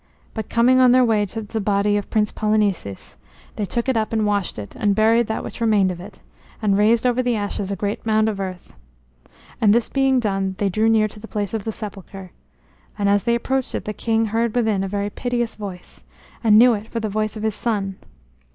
But coming on their way to the body of Prince Polynices, they took it up and washed it, and buried that which remained of it, and raised over the ashes a great mound of earth. And this being done, they drew near to the place of the sepulchre; and as they approached, the king heard within a very piteous voice, and knew it for the voice of his son.